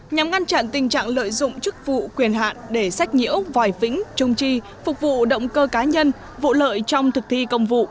nhằm ngăn chặn tình trạng lợi dụng chức vụ quyền hạn để sách nhiễu vòi vĩnh trung chi phục vụ động cơ cá nhân vụ lợi trong thực thi công vụ